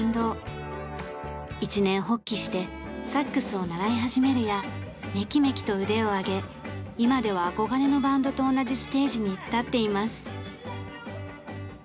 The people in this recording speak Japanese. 一念発起してサックスを習い始めるやメキメキと腕を上げ今では憧れのバンドと同じステージに立っています。